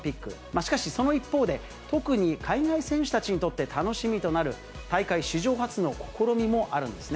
しかし、その一方で、特に海外選手たちにとって楽しみとなる、大会史上初の試みもあるんですね。